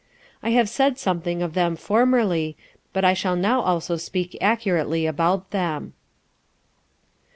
I have said something of them formerly, but I shall now also speak accurately about them.